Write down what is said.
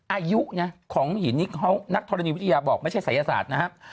อายุนะของหินนี้เขานักธรณีวิทยาบอกไม่ใช่ศัยศาสตร์นะครับ